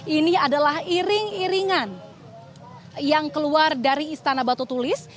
ini adalah iring iringan yang keluar dari istana batu tulis